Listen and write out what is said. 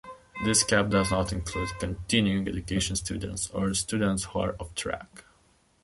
This cap does not include continuing education students, or students who are off track.